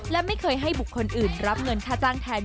และไม่เคยให้บุคคลอื่นรับเงินค่าจ้างแทน